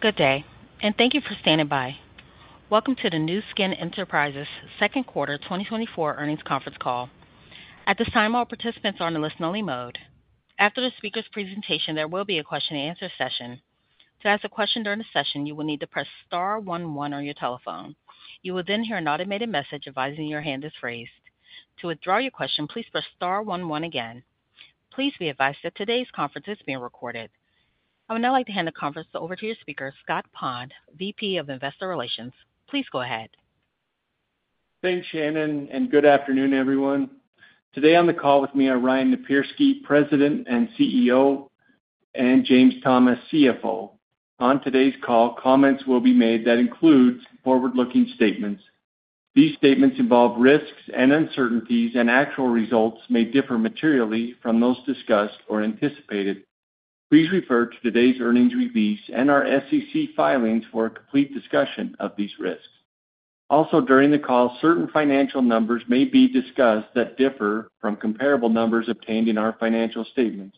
Good day, and thank you for standing by. Welcome to the Nu Skin Enterprises Q2 2024 earnings conference call. At this time, all participants are on a listen-only mode. After the speaker's presentation, there will be a question-and-answer session. To ask a question during the session, you will need to press star one one on your telephone. You will then hear an automated message advising your hand is raised. To withdraw your question, please press star one one again. Please be advised that today's conference is being recorded. I would now like to hand the conference over to your speaker, Scott Pond, VP of Investor Relations. Please go ahead. Thanks, Shannon, and good afternoon, everyone. Today on the call with me are Ryan Napierski, President and CEO, and James Thomas, CFO. On today's call, comments will be made that include forward-looking statements. These statements involve risks and uncertainties, and actual results may differ materially from those discussed or anticipated. Please refer to today's earnings release and our SEC filings for a complete discussion of these risks. Also, during the call, certain financial numbers may be discussed that differ from comparable numbers obtained in our financial statements.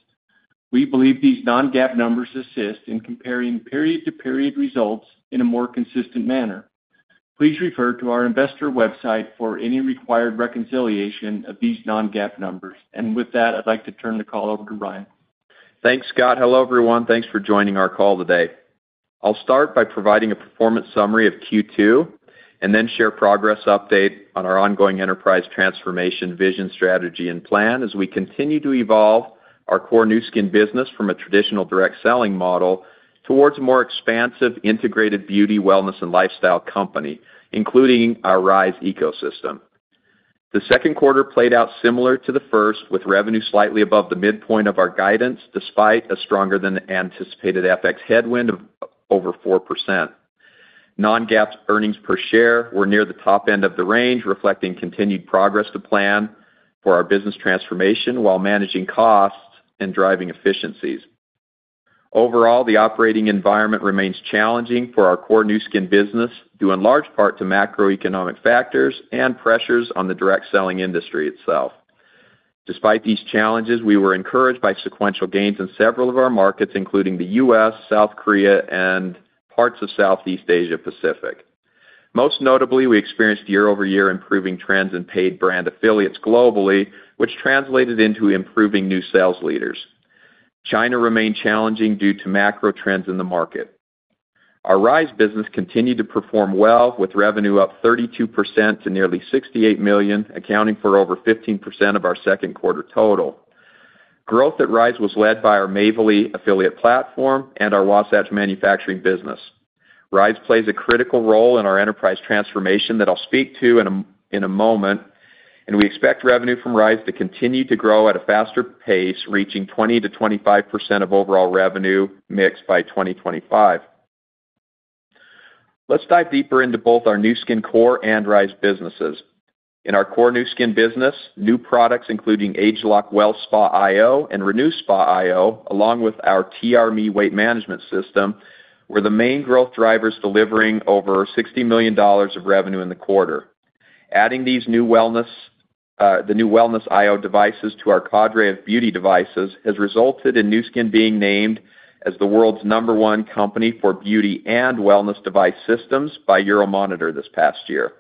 We believe these non-GAAP numbers assist in comparing period-to-period results in a more consistent manner. Please refer to our investor website for any required reconciliation of these non-GAAP numbers. With that, I'd like to turn the call over to Ryan. Thanks, Scott. Hello, everyone. Thanks for joining our call today. I'll start by providing a performance summary of Q2, and then share progress update on our ongoing enterprise transformation, vision, strategy, and plan as we continue to evolve our core Nu Skin business from a traditional direct selling model towards a more expansive, integrated beauty, wellness, and lifestyle company, including our Rhyz ecosystem. The Q2 played out similar to the first, with revenue slightly above the midpoint of our guidance, despite a stronger than anticipated FX headwind of over 4%. Non-GAAP earnings per share were near the top end of the range, reflecting continued progress to plan for our business transformation while managing costs and driving efficiencies. Overall, the operating environment remains challenging for our core Nu Skin business, due in large part to macroeconomic factors and pressures on the direct selling industry itself. Despite these challenges, we were encouraged by sequential gains in several of our markets, including the U.S., South Korea, and parts of Southeast Asia Pacific. Most notably, we experienced year-over-year improving trends in paid brand affiliates globally, which translated into improving new sales leaders. China remained challenging due to macro trends in the market. Our Rhyz business continued to perform well, with revenue up 32% to nearly $68 million, accounting for over 15% of our Q2 total. Growth at Rhyz was led by our Mavely affiliate platform and our Wasatch Product Development. Rhyz plays a critical role in our enterprise transformation that I'll speak to in a moment, and we expect revenue from Rhyz to continue to grow at a faster pace, reaching 20%-25% of overall revenue mix by 2025. Let's dive deeper into both our Nu Skin core and Rhyz businesses. In our core Nu Skin business, new products, including ageLOC WellSpa iO and ageLOC RenuSpa iO, along with our TRMe weight management system, were the main growth drivers, delivering over $60 million of revenue in the quarter. Adding these new wellness, the new wellness iO devices to our cadre of beauty devices has resulted in Nu Skin being named as the world's number one company for beauty and wellness device systems by Euromonitor this past year.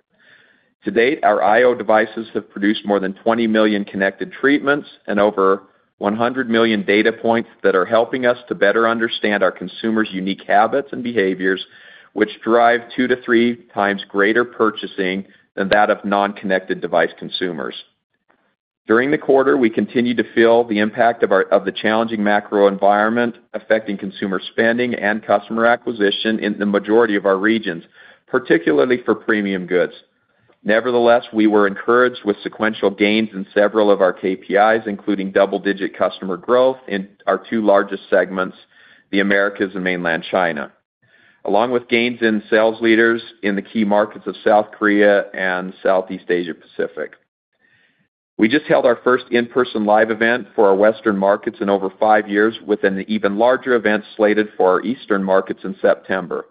To date, our iO devices have produced more than 20 million connected treatments and over 100 million data points that are helping us to better understand our consumers' unique habits and behaviors, which drive 2-3 times greater purchasing than that of non-connected device consumers. During the quarter, we continued to feel the impact of our challenging macro environment affecting consumer spending and customer acquisition in the majority of our regions, particularly for premium goods. Nevertheless, we were encouraged with sequential gains in several of our KPIs, including double-digit customer growth in our two largest segments, the Americas and Mainland China, along with gains in sales leaders in the key markets of South Korea and Southeast Asia Pacific. We just held our first in-person live event for our Western markets in over five years, with an even larger event slated for our Eastern markets in September.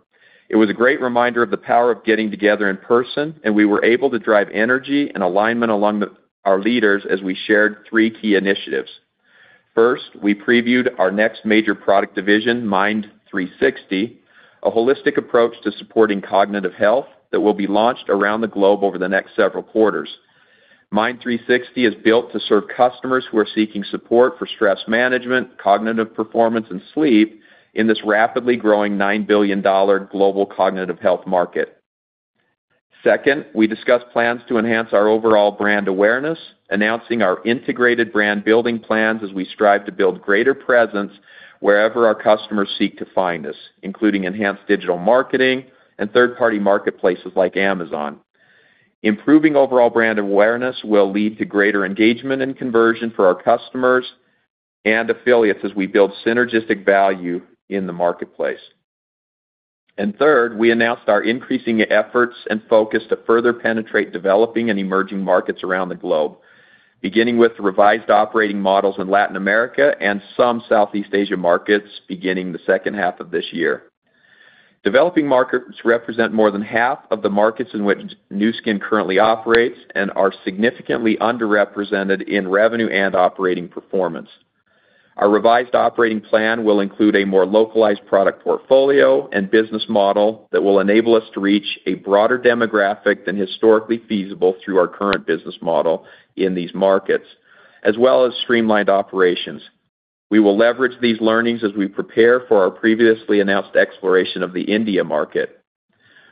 It was a great reminder of the power of getting together in person, and we were able to drive energy and alignment among our leaders as we shared three key initiatives. First, we previewed our next major product division, Mind 360, a holistic approach to supporting cognitive health that will be launched around the globe over the next several quarters. Mind 360 is built to serve customers who are seeking support for stress management, cognitive performance, and sleep in this rapidly growing $9 billion global cognitive health market. Second, we discussed plans to enhance our overall brand awareness, announcing our integrated brand building plans as we strive to build greater presence wherever our customers seek to find us, including enhanced digital marketing and third-party marketplaces like Amazon. Improving overall brand awareness will lead to greater engagement and conversion for our customers and affiliates as we build synergistic value in the marketplace. And third, we announced our increasing efforts and focus to further penetrate developing and emerging markets around the globe, beginning with revised operating models in Latin America and some Southeast Asia markets beginning the second half of this year. Developing markets represent more than half of the markets in which Nu Skin currently operates and are significantly underrepresented in revenue and operating performance.... Our revised operating plan will include a more localized product portfolio and business model that will enable us to reach a broader demographic than historically feasible through our current business model in these markets, as well as streamlined operations. We will leverage these learnings as we prepare for our previously announced exploration of the India market.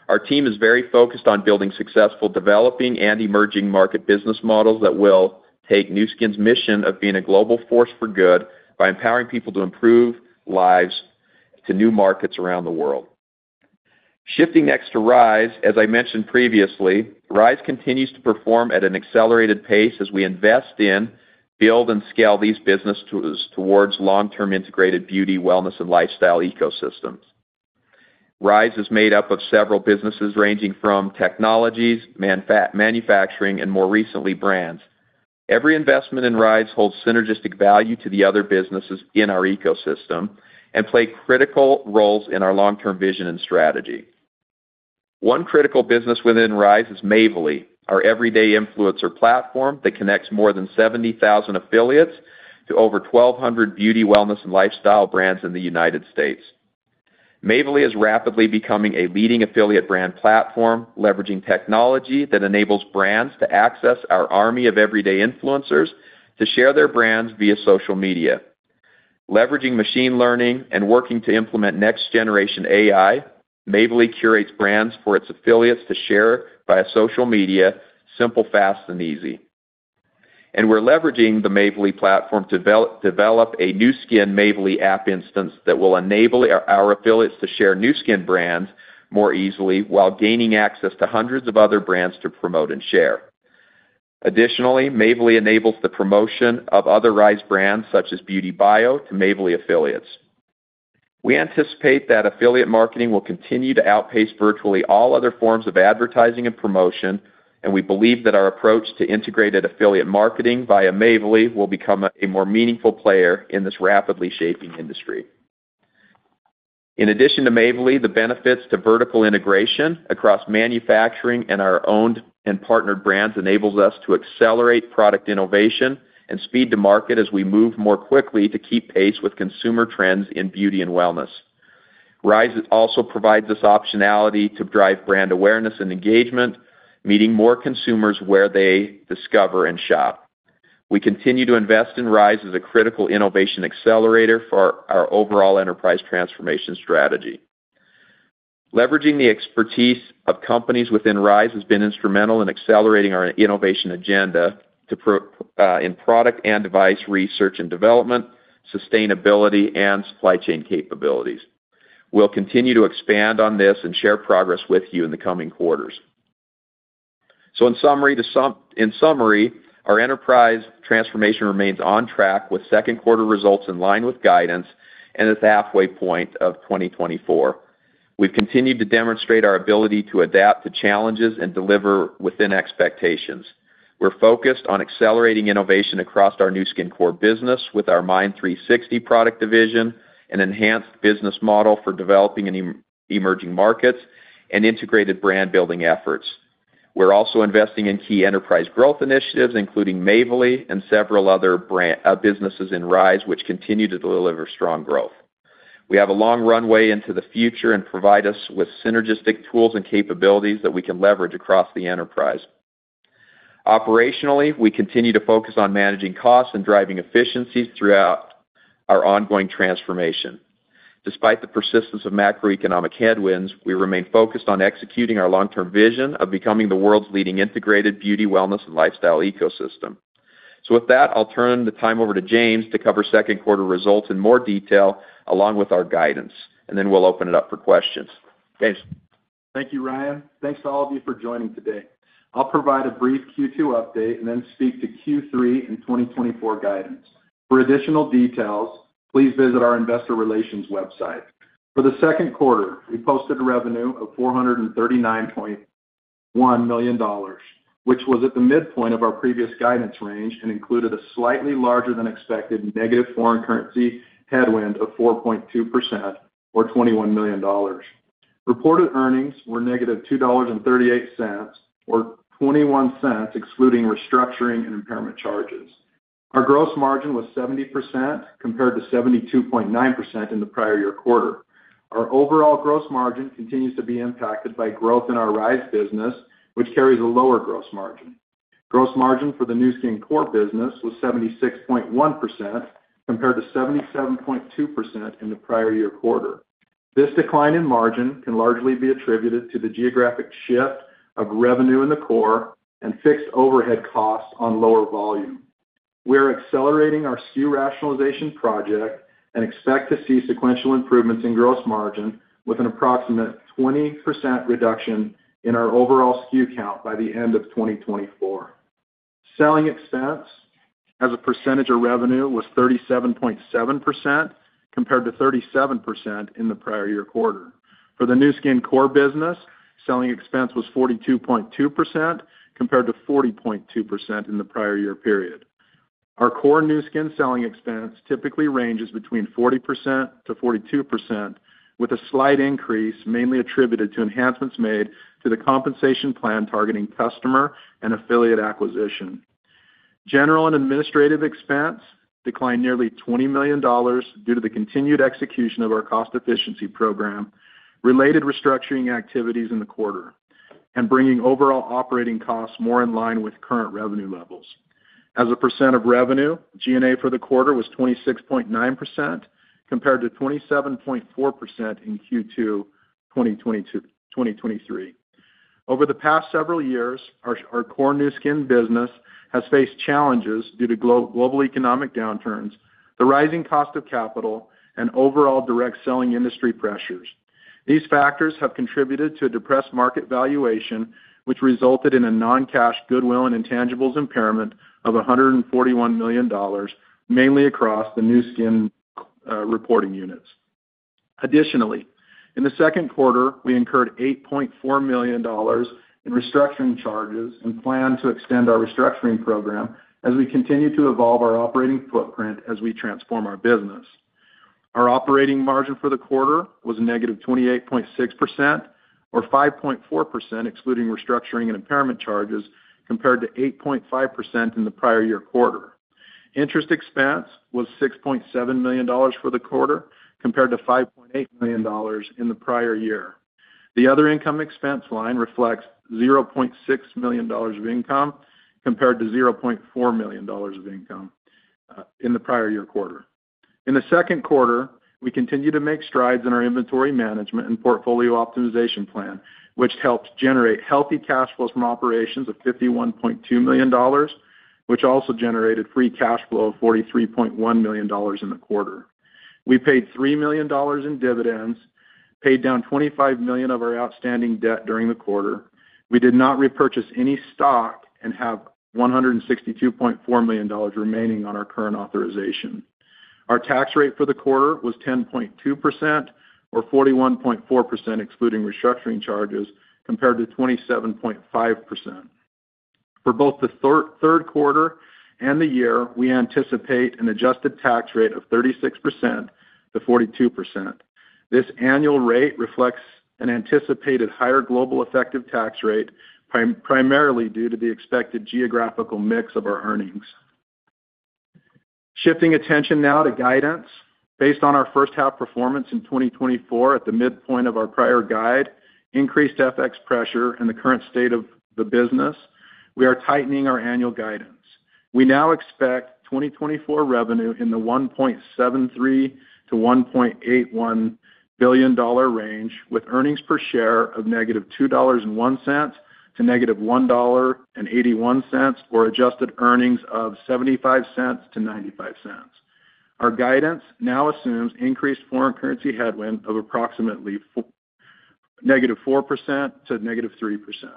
Our team is very focused on building successful developing and emerging market business models that will take Nu Skin's mission of being a global force for good by empowering people to improve lives to new markets around the world. Shifting next to Rhyz, as I mentioned previously, Rhyz continues to perform at an accelerated pace as we invest in, build, and scale these business tools towards long-term integrated beauty, wellness, and lifestyle ecosystems. Rhyz is made up of several businesses, ranging from technologies, manufacturing, and more recently, brands. Every investment in Rhyz holds synergistic value to the other businesses in our ecosystem and play critical roles in our long-term vision and strategy. One critical business within Rhyz is Mavely, our everyday influencer platform that connects more than 70,000 affiliates to over 1,200 beauty, wellness, and lifestyle brands in the United States. Mavely is rapidly becoming a leading affiliate brand platform, leveraging technology that enables brands to access our army of everyday influencers to share their brands via social media. Leveraging machine learning and working to implement next-generation AI, Mavely curates brands for its affiliates to share via social media simple, fast, and easy. We're leveraging the Mavely platform to develop a Nu Skin Mavely app instance that will enable our, our affiliates to share Nu Skin brands more easily while gaining access to hundreds of other brands to promote and share. Additionally, Mavely enables the promotion of other Rhyz brands, such as BeautyBio, to Mavely affiliates. We anticipate that affiliate marketing will continue to outpace virtually all other forms of advertising and promotion, and we believe that our approach to integrated affiliate marketing via Mavely will become a, a more meaningful player in this rapidly shaping industry. In addition to Mavely, the benefits to vertical integration across manufacturing and our owned and partnered brands enables us to accelerate product innovation and speed to market as we move more quickly to keep pace with consumer trends in beauty and wellness. Rhyz also provides us optionality to drive brand awareness and engagement, meeting more consumers where they discover and shop. We continue to invest in Rhyz as a critical innovation accelerator for our overall enterprise transformation strategy. Leveraging the expertise of companies within Rhyz has been instrumental in accelerating our innovation agenda in product and device research and development, sustainability, and supply chain capabilities. We'll continue to expand on this and share progress with you in the coming quarters. In summary, our enterprise transformation remains on track, with Q2 results in line with guidance and at the halfway point of 2024. We've continued to demonstrate our ability to adapt to challenges and deliver within expectations. We're focused on accelerating innovation across our Nu Skin core business with our Mind 360 product division, an enhanced business model for developing and emerging markets, and integrated brand-building efforts. We're also investing in key enterprise growth initiatives, including Mavely and several other brands, businesses in Rhyz, which continue to deliver strong growth. We have a long runway into the future and provide us with synergistic tools and capabilities that we can leverage across the enterprise. Operationally, we continue to focus on managing costs and driving efficiencies throughout our ongoing transformation. Despite the persistence of macroeconomic headwinds, we remain focused on executing our long-term vision of becoming the world's leading integrated beauty, wellness, and lifestyle ecosystem. So with that, I'll turn the time over to James to cover Q2 results in more detail, along with our guidance, and then we'll open it up for questions. James? Thank you, Ryan. Thanks to all of you for joining today. I'll provide a brief Q2 update and then speak to Q3 and 2024 guidance. For additional details, please visit our investor relations website. For the Q2, we posted a revenue of $439.1 million, which was at the midpoint of our previous guidance range and included a slightly larger than expected negative foreign currency headwind of 4.2% or $21 million. Reported earnings were -$2.38, or 21 cents, excluding restructuring and impairment charges. Our gross margin was 70%, compared to 72.9% in the prior year quarter. Our overall gross margin continues to be impacted by growth in our Rhyz business, which carries a lower gross margin. Gross margin for the Nu Skin core business was 76.1%, compared to 77.2% in the prior year quarter. This decline in margin can largely be attributed to the geographic shift of revenue in the core and fixed overhead costs on lower volume. We are accelerating our SKU rationalization project and expect to see sequential improvements in gross margin with an approximate 20% reduction in our overall SKU count by the end of 2024. Selling expense as a percentage of revenue was 37.7%, compared to 37% in the prior year quarter. For the Nu Skin core business, selling expense was 42.2%, compared to 40.2% in the prior year period. Our core Nu Skin selling expense typically ranges between 40%-42%, with a slight increase mainly attributed to enhancements made to the compensation plan targeting customer and affiliate acquisition. General and administrative expense declined nearly $20 million due to the continued execution of our cost efficiency program, related restructuring activities in the quarter, and bringing overall operating costs more in line with current revenue levels. As a percent of revenue, G&A for the quarter was 26.9%, compared to 27.4% in Q2 2023. Over the past several years, our core Nu Skin business has faced challenges due to global economic downturns, the rising cost of capital, and overall direct selling industry pressures. These factors have contributed to a depressed market valuation, which resulted in a non-cash goodwill and intangibles impairment of $141 million, mainly across the Nu Skin reporting units. Additionally, in the Q2, we incurred $8.4 million in restructuring charges and plan to extend our restructuring program as we continue to evolve our operating footprint as we transform our business. Our operating margin for the quarter was a negative 28.6%, or 5.4%, excluding restructuring and impairment charges, compared to 8.5% in the prior year quarter. Interest expense was $6.7 million for the quarter, compared to $5.8 million in the prior year. The other income expense line reflects $0.6 million of income, compared to $0.4 million of income in the prior year quarter. In the Q2, we continued to make strides in our inventory management and portfolio optimization plan, which helped generate healthy cash flows from operations of $51.2 million, which also generated free cash flow of $43.1 million in the quarter. We paid $3 million in dividends, paid down $25 million of our outstanding debt during the quarter. We did not repurchase any stock and have $162.4 million remaining on our current authorization. Our tax rate for the quarter was 10.2%, or 41.4%, excluding restructuring charges, compared to 27.5%. For both the Q3 and the year, we anticipate an adjusted tax rate of 36%-42%. This annual rate reflects an anticipated higher global effective tax rate, primarily due to the expected geographical mix of our earnings. Shifting attention now to guidance. Based on our first half performance in 2024, at the midpoint of our prior guide, increased FX pressure and the current state of the business, we are tightening our annual guidance. We now expect 2024 revenue in the $1.73-$1.81 billion range, with earnings per share of -$2.01 to -$1.81, or adjusted earnings of $0.75-$0.95. Our guidance now assumes increased foreign currency headwind of approximately -4% to -3%.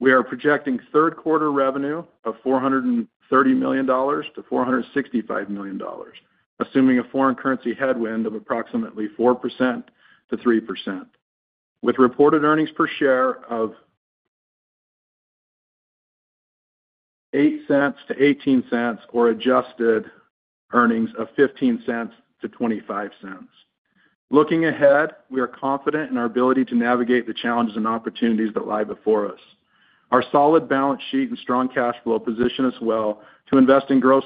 We are projecting Q3 revenue of $430 million to $465 million, assuming a foreign currency headwind of approximately 4% to 3%, with reported earnings per share of $0.08 to $0.18 or adjusted earnings of $0.15 to $0.25. Looking ahead, we are confident in our ability to navigate the challenges and opportunities that lie before us. Our solid balance sheet and strong cash flow position us well to invest in growth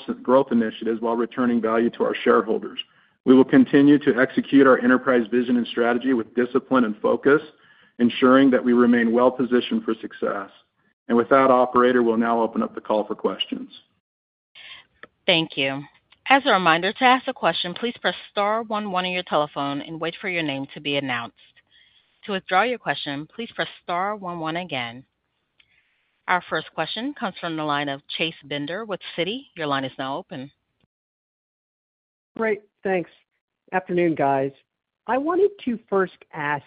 initiatives while returning value to our shareholders. We will continue to execute our enterprise vision and strategy with discipline and focus, ensuring that we remain well positioned for success. With that, operator, we'll now open up the call for questions. Thank you. As a reminder, to ask a question, please press star one one on your telephone and wait for your name to be announced. To withdraw your question, please press star one one again. Our first question comes from the line of Chase Bender with Citi. Your line is now open. Great. Thanks. Afternoon, guys. I wanted to first ask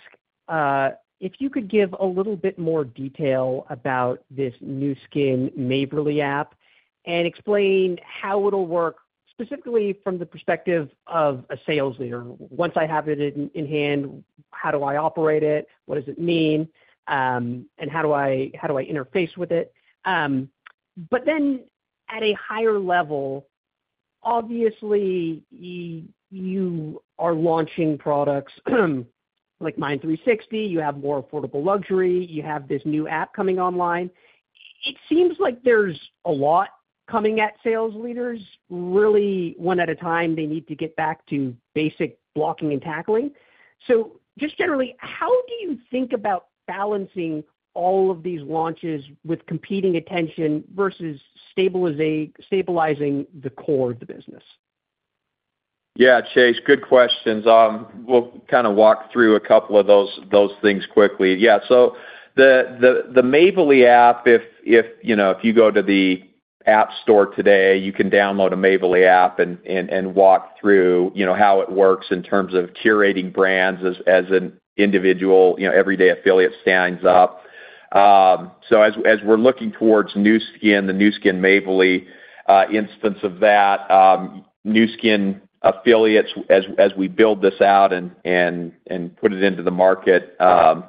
if you could give a little bit more detail about this Nu Skin Mavely app and explain how it'll work, specifically from the perspective of a Sales Leader. Once I have it in hand, how do I operate it? What does it mean? And how do I interface with it? But then at a higher level, obviously, you are launching products, like Mind 360, you have more affordable luxury, you have this new app coming online. It seems like there's a lot coming at Sales Leaders, really one at a time, they need to get back to basic blocking and tackling. So just generally, how do you think about balancing all of these launches with competing attention versus stabilizing the core of the business? Yeah, Chase, good questions. We'll kind of walk through a couple of those things quickly. Yeah, so the Mavely app, if you know, if you go to the app store today, you can download a Mavely app and walk through, you know, how it works in terms of curating brands as an individual, you know, everyday affiliate signs up. So as we're looking towards Nu Skin, the Nu Skin Mavely instance of that, Nu Skin affiliates, as we build this out and put it into the market,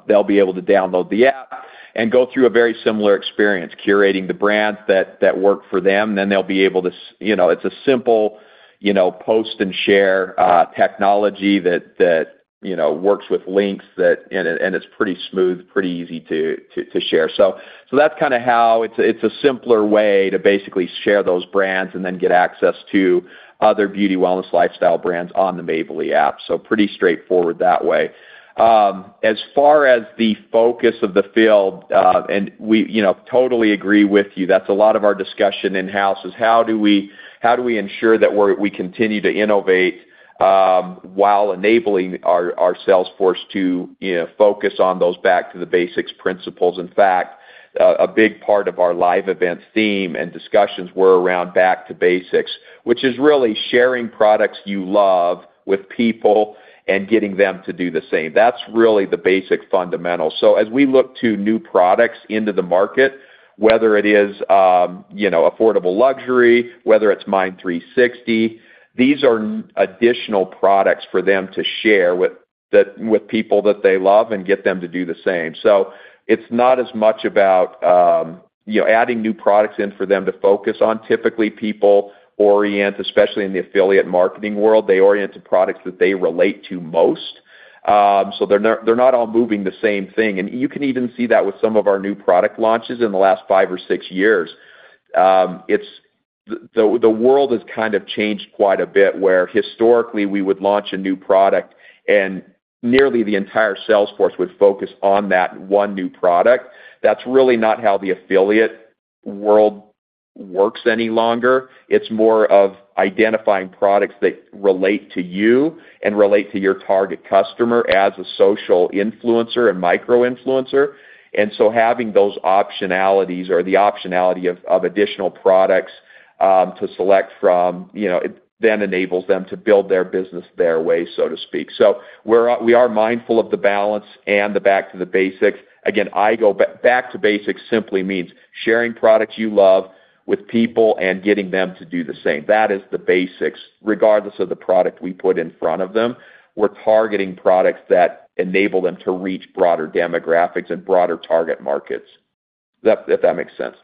they'll be able to download the app. ... and go through a very similar experience, curating the brands that work for them, then they'll be able to—you know, it's a simple, you know, post and share technology that you know works with links that, and it's pretty smooth, pretty easy to share. So that's kind of how it's a simpler way to basically share those brands and then get access to other beauty, wellness, lifestyle brands on the Mavely app. So pretty straightforward that way. As far as the focus of the field, and we, you know, totally agree with you, that's a lot of our discussion in-house is how do we ensure that we're we continue to innovate while enabling our sales force to, you know, focus on those back to the basics principles? In fact, a big part of our live events theme and discussions were around back to basics, which is really sharing products you love with people and getting them to do the same. That's really the basic fundamental. So as we look to new products into the market, whether it is, you know, affordable luxury, whether it's Mind 360, these are additional products for them to share with people that they love and get them to do the same. So it's not as much about, you know, adding new products in for them to focus on. Typically, people orient, especially in the affiliate marketing world, they orient to products that they relate to most. So they're not, they're not all moving the same thing. And you can even see that with some of our new product launches in the last five or six years. It's the world has kind of changed quite a bit, where historically, we would launch a new product, and nearly the entire sales force would focus on that one new product. That's really not how the affiliate world works any longer. It's more of identifying products that relate to you and relate to your target customer as a social influencer and micro-influencer. And so having those optionalities or the optionality of additional products to select from, you know, it then enables them to build their business their way, so to speak. So we are mindful of the balance and the back to the basics. Again, I go back to basics simply means sharing products you love with people and getting them to do the same. That is the basics, regardless of the product we put in front of them. We're targeting products that enable them to reach broader demographics and broader target markets, if that, if that makes sense.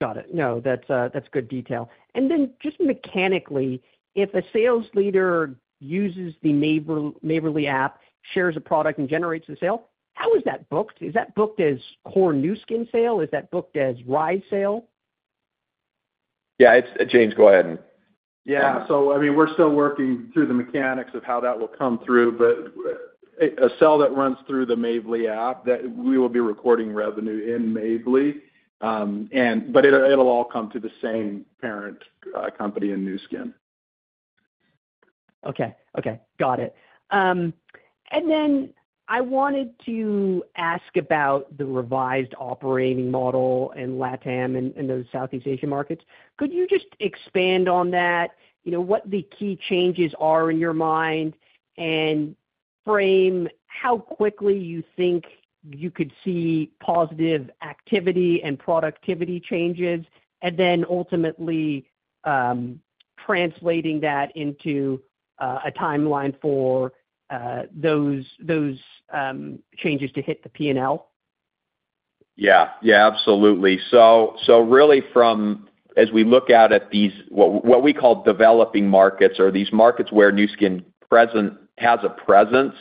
Got it. No, that's, that's good detail. And then just mechanically, if a sales leader uses the Mavely app, shares a product, and generates a sale, how is that booked? Is that booked as core Nu Skin sale? Is that booked as Rhyz sale? Yeah, James, go ahead and- Yeah. So I mean, we're still working through the mechanics of how that will come through, but a sale that runs through the Mavely app, that we will be recording revenue in Mavely. But it'll all come to the same parent company in Nu Skin. Okay, okay, got it. And then I wanted to ask about the revised operating model in LATAM and those Southeast Asian markets. Could you just expand on that? You know, what the key changes are in your mind, and frame how quickly you think you could see positive activity and productivity changes, and then ultimately translating that into a timeline for those changes to hit the P&L? Yeah, yeah, absolutely. So, so really from, as we look out at these, what, what we call developing markets or these markets where Nu Skin has a presence,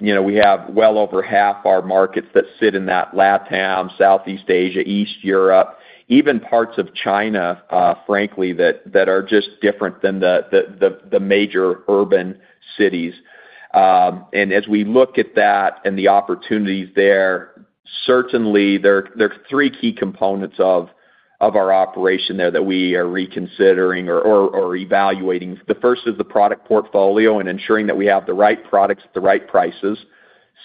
you know, we have well over half our markets that sit in that LATAM, Southeast Asia, East Europe, even parts of China, frankly, that are just different than the major urban cities. And as we look at that and the opportunities there, certainly, there are three key components of our operation there that we are reconsidering or evaluating. The first is the product portfolio and ensuring that we have the right products at the right prices.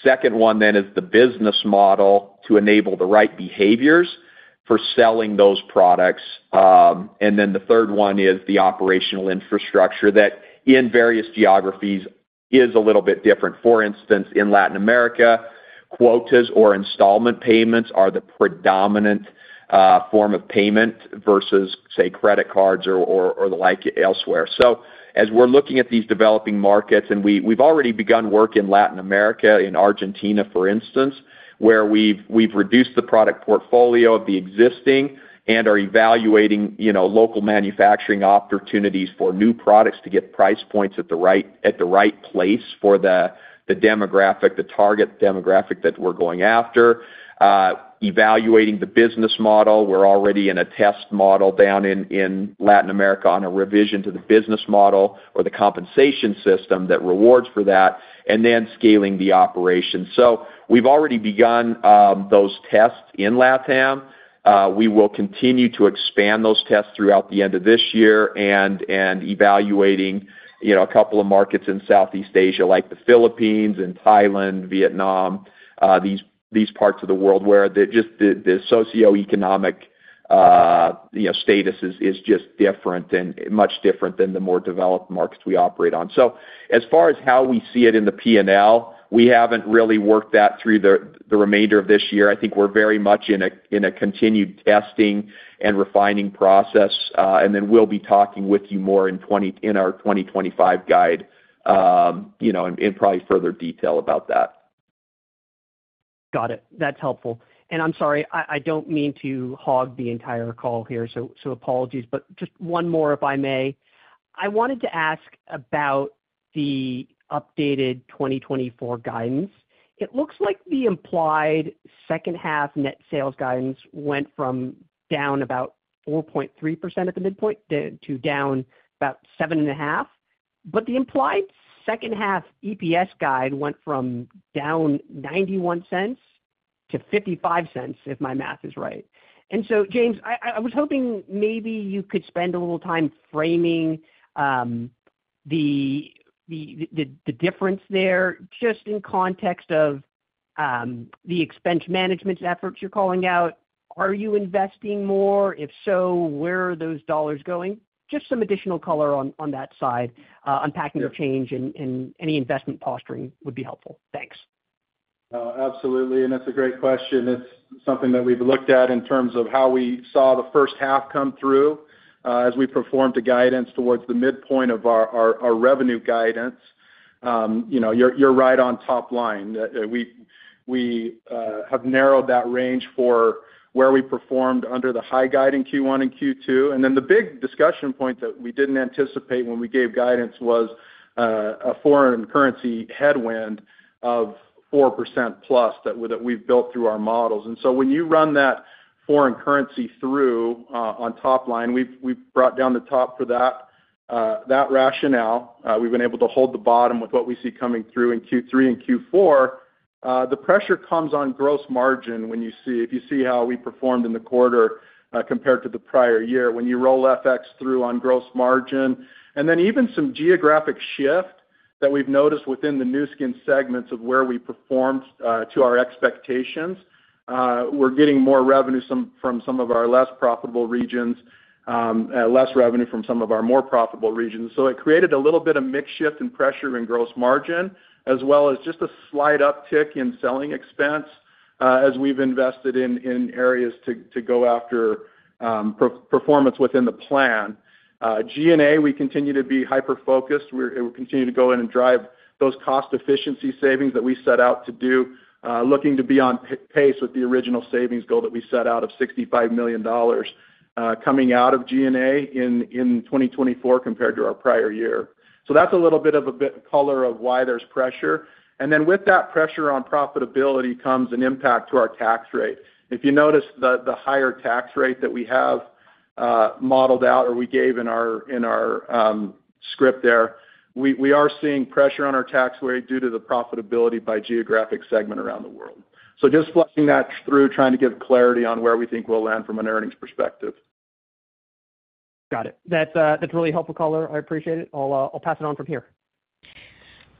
Second one then is the business model to enable the right behaviors for selling those products. And then the third one is the operational infrastructure that, in various geographies, is a little bit different. For instance, in Latin America, quotas or installment payments are the predominant form of payment versus, say, credit cards or the like elsewhere. So as we're looking at these developing markets, and we've already begun work in Latin America, in Argentina, for instance, where we've reduced the product portfolio of the existing and are evaluating, you know, local manufacturing opportunities for new products to get price points at the right, at the right place for the demographic, the target demographic that we're going after. Evaluating the business model, we're already in a test model down in Latin America on a revision to the business model or the compensation system that rewards for that, and then scaling the operation. So we've already begun those tests in LATAM. We will continue to expand those tests throughout the end of this year and evaluating, you know, a couple of markets in Southeast Asia, like the Philippines and Thailand, Vietnam, these parts of the world where just the socioeconomic, you know, status is just different and much different than the more developed markets we operate on. So as far as how we see it in the P&L, we haven't really worked that through the remainder of this year. I think we're very much in a continued testing and refining process, and then we'll be talking with you more in our 2025 guide, you know, in probably further detail about that. ... Got it. That's helpful. And I'm sorry, I don't mean to hog the entire call here, so apologies, but just one more, if I may. I wanted to ask about the updated 2024 guidance. It looks like the implied second half net sales guidance went from down about 4.3% at the midpoint to down about 7.5%. But the implied second half EPS guide went from down $0.91 to $0.55, if my math is right. And so, James, I was hoping maybe you could spend a little time framing the difference there, just in context of the expense management efforts you're calling out. Are you investing more? If so, where are those dollars going? Just some additional color on, on that side, unpacking the change in, in any investment posturing would be helpful. Thanks. Absolutely, and that's a great question. It's something that we've looked at in terms of how we saw the first half come through, as we performed to guidance towards the midpoint of our revenue guidance. You know, you're right on top line. We have narrowed that range for where we performed under the high guide in Q1 and Q2. And then the big discussion point that we didn't anticipate when we gave guidance was, a foreign currency headwind of 4% plus that we've built through our models. And so when you run that foreign currency through, on top line, we've brought down the top for that rationale. We've been able to hold the bottom with what we see coming through in Q3 and Q4. The pressure comes on gross margin when you see if you see how we performed in the quarter, compared to the prior year, when you roll FX through on gross margin. And then even some geographic shift that we've noticed within the Nu Skin segments of where we performed to our expectations, we're getting more revenue some from some of our less profitable regions, less revenue from some of our more profitable regions. So it created a little bit of mix shift and pressure in gross margin, as well as just a slight uptick in selling expense, as we've invested in in areas to to go after performance within the plan. GNA, we continue to be hyper-focused. We continue to go in and drive those cost efficiency savings that we set out to do, looking to be on pace with the original savings goal that we set out of $65 million, coming out of SG&A in 2024 compared to our prior year. So that's a little bit of color on why there's pressure. And then with that pressure on profitability comes an impact to our tax rate. If you notice the higher tax rate that we have modeled out, or we gave in our script there, we are seeing pressure on our tax rate due to the profitability by geographic segment around the world. So just flushing that through, trying to give clarity on where we think we'll land from an earnings perspective. Got it. That's, that's really helpful color. I appreciate it. I'll, I'll pass it on from here.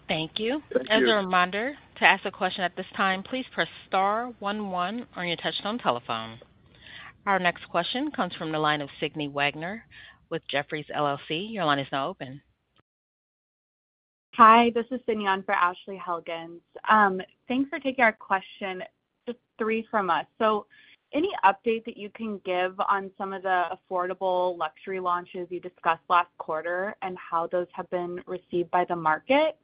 Thank you. Thank you. As a reminder, to ask a question at this time, please press star one one on your touchtone telephone. Our next question comes from the line of Sydney Wagner with Jefferies LLC. Your line is now open. Hi, this is Sydney on for Ashley Helgans. Thanks for taking our question. Just three from us. So any update that you can give on some of the affordable luxury launches you discussed last quarter and how those have been received by the market?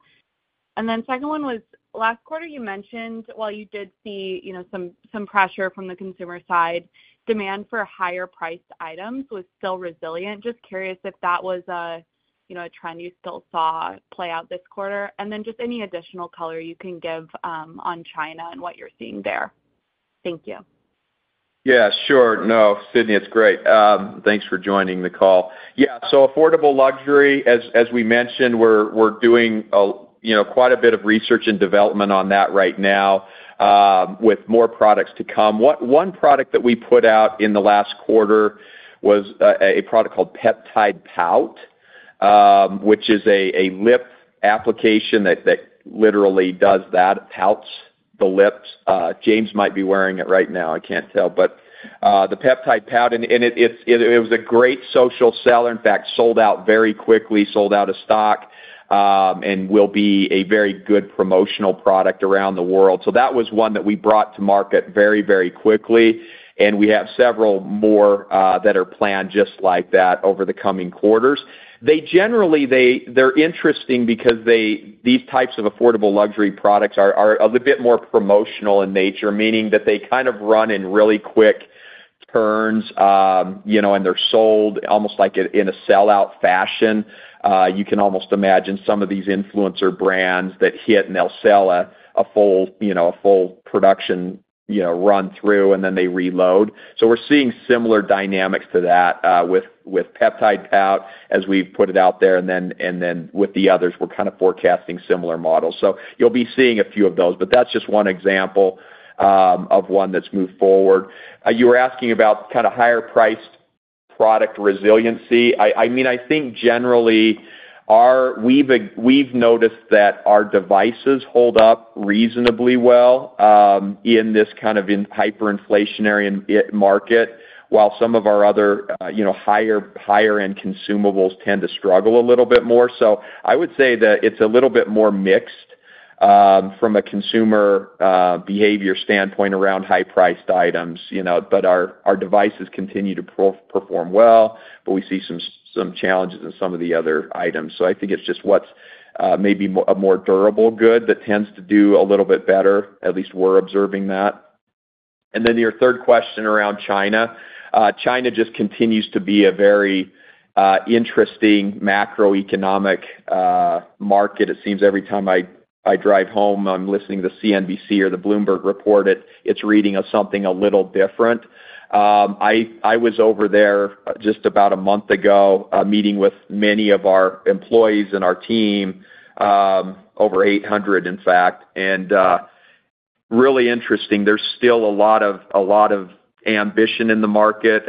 And then second one was, last quarter you mentioned while you did see, you know, some pressure from the consumer side, demand for higher priced items was still resilient. Just curious if that was, you know, a trend you still saw play out this quarter? And then just any additional color you can give on China and what you're seeing there. Thank you. Yeah, sure. No, Sydney, it's great. Thanks for joining the call. Yeah, so affordable luxury, as we mentioned, we're doing, you know, quite a bit of research and development on that right now, with more products to come. One product that we put out in the last quarter was a product called Peptide Pout, which is a lip application that literally does that, pouts the lips. James might be wearing it right now, I can't tell. But, the Peptide Pout, and it was a great social seller, in fact, sold out very quickly, sold out of stock, and will be a very good promotional product around the world. So that was one that we brought to market very, very quickly, and we have several more that are planned just like that over the coming quarters. They generally, they're interesting because they, these types of affordable luxury products are a bit more promotional in nature, meaning that they kind of run in really quick turns, you know, and they're sold almost like in a sellout fashion. You can almost imagine some of these influencer brands that hit, and they'll sell a full, you know, a full production, you know, run through, and then they reload. So we're seeing similar dynamics to that with Peptide Pout as we've put it out there, and then with the others, we're kind of forecasting similar models. So you'll be seeing a few of those, but that's just one example, of one that's moved forward. You were asking about kind of higher priced product resiliency. I mean, I think generally, we've noticed that our devices hold up reasonably well, in this kind of hyperinflationary market, while some of our other, you know, higher-end consumables tend to struggle a little bit more. So I would say that it's a little bit more mixed, from a consumer, behavior standpoint around high-priced items, you know, but our devices continue to perform well, but we see some challenges in some of the other items. So I think it's just what's, maybe a more durable good that tends to do a little bit better, at least we're observing that. ...And then your third question around China. China just continues to be a very interesting macroeconomic market. It seems every time I drive home, I'm listening to CNBC or the Bloomberg report, it's reading us something a little different. I was over there just about a month ago, meeting with many of our employees and our team, over 800, in fact, and really interesting. There's still a lot of, a lot of ambition in the market.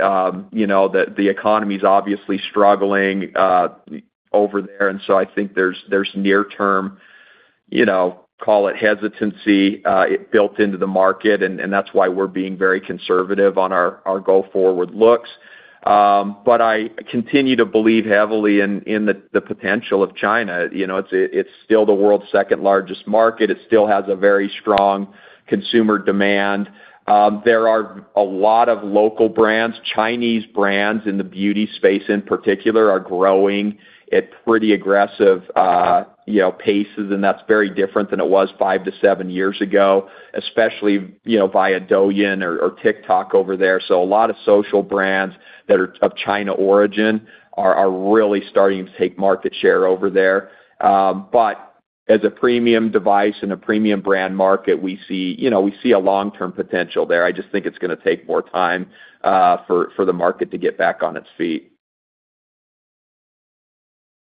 You know, the economy's obviously struggling over there, and so I think there's near term, you know, call it hesitancy built into the market, and that's why we're being very conservative on our go-forward looks. But I continue to believe heavily in the potential of China. You know, it's still the world's second-largest market. It still has a very strong consumer demand. There are a lot of local brands. Chinese brands, in the beauty space in particular, are growing at pretty aggressive paces, and that's very different than it was 5-7 years ago, especially via Douyin or TikTok over there. So a lot of social brands that are of China origin are really starting to take market share over there. But as a premium device in a premium brand market, we see a long-term potential there. I just think it's gonna take more time for the market to get back on its feet.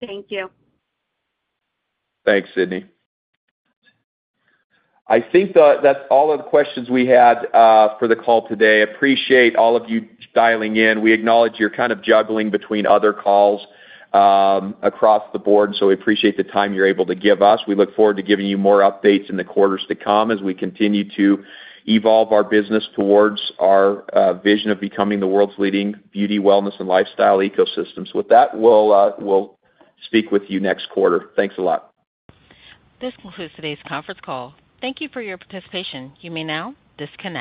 Thank you. Thanks, Sydney. I think that that's all of the questions we had for the call today. Appreciate all of you dialing in. We acknowledge you're kind of juggling between other calls across the board, so we appreciate the time you're able to give us. We look forward to giving you more updates in the quarters to come, as we continue to evolve our business towards our vision of becoming the world's leading beauty, wellness, and lifestyle ecosystems. With that, we'll speak with you next quarter. Thanks a lot. This concludes today's conference call. Thank you for your participation. You may now disconnect.